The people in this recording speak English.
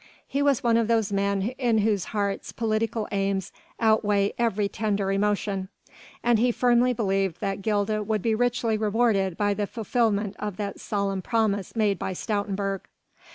He was one of those men in whose hearts political aims outweigh every tender emotion, and he firmly believed that Gilda would be richly rewarded by the fulfilment of that solemn promise made by Stoutenburg.